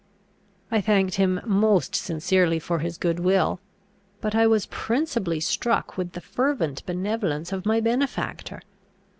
I thanked him most sincerely for his good will; but I was principally struck with the fervent benevolence of my benefactor.